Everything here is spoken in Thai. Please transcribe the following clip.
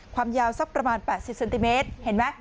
ความยาวสักประมาณ๘๐เซนติเมตรเห็นไหม